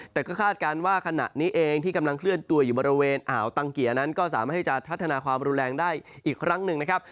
แต่ก็คาดการณ์ว่าขณะนี้เองที่กำลังเคลื่อนตัวอยู่บริเวณอ่าวตังเกียร์นั้นก็สามารถให้จะพัฒนาความรุนแรงได้อีกครั้งหนึ่งนะครับ